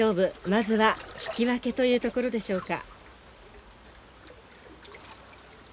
まずは引き分けというところでしょうか。